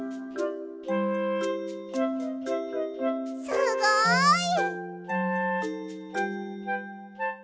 すごい！